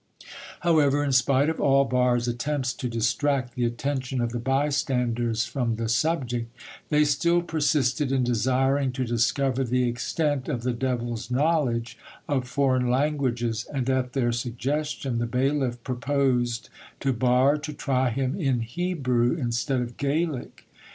However, in spite of all Barre's attempts to distract the attention of the bystanders from the subject, they still persisted in desiring to discover the extent of the devil's knowledge of foreign languages, and at their suggestion the bailiff proposed to Barre to try him in Hebrew instead of Gaelic.